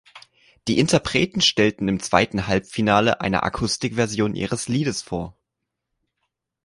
Die Interpreten stellten im zweiten Halbfinale eine Akustikversion ihres Liedes vor.